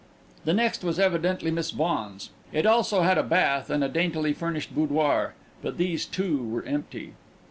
The next was evidently Miss Vaughan's. It also had a bath and a daintily furnished boudoir; but these, too, were empty.